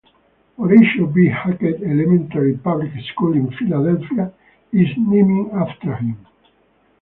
Horatio B. Hackett Elementary Public School in Philadelphia is named after him.